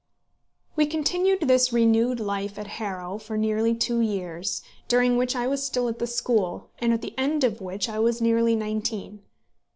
We continued this renewed life at Harrow for nearly two years, during which I was still at the school, and at the end of which I was nearly nineteen.